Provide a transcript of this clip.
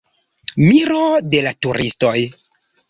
Miro de la turistoj.